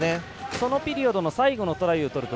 そのピリオドの最後のトライを取ると